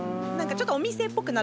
ちょっと。